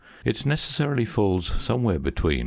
It necessarily falls somewhere between 47.